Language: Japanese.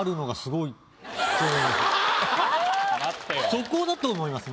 そこだと思います